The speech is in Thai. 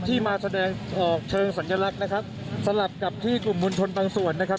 มาแสดงออกเชิงสัญลักษณ์นะครับสลับกับที่กลุ่มมวลชนบางส่วนนะครับ